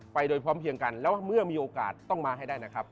ไปโดยพร้อมเพียงกันแล้วเมื่อมีโอกาสต้องมาให้ได้นะครับ